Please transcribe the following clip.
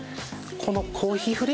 このコーヒー